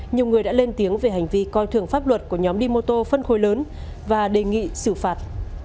nhiều người đã lên tiếng về hành vi coi thường pháp luật của nhóm đi mô tô phân khối lớn và đề nghị xử phạt